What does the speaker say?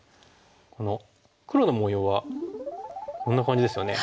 この黒の模様はこんな感じですよね。